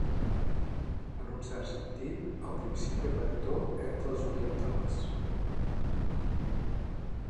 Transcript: En un cert sentit, el principi rector entre els orientals.